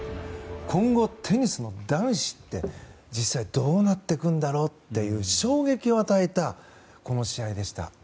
今後、テニスの男子って実際どうなっていくんだろうっていう衝撃を与えた試合でした。